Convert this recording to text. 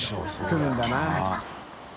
来るんだな。